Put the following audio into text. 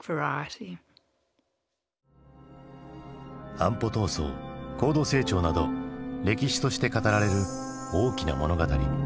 安保闘争高度成長など歴史として語られる大きな物語。